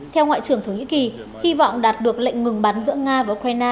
theo ngoại trưởng thổ nhĩ kỳ hy vọng đạt được lệnh ngừng bắn giữa nga và ukraine